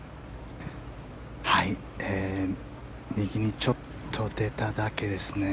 はい右にちょっと出ただけですね。